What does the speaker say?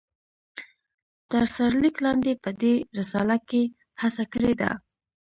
تر سر ليک لاندي په دي رساله کې هڅه کړي ده